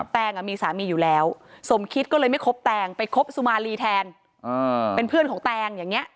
แงงมีสามีอยู่แล้วสมคิดก็เลยไม่คบแตงไปคบสุมารีแทนเป็นเพื่อนของแตงอย่างนี้